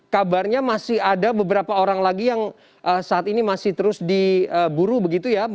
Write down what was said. kabarnya masih ada beberapa orang lagi yang saat ini masih terus diburu begitu ya